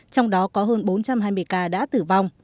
trong đó có hơn bốn trăm hai mươi ca đã tử vong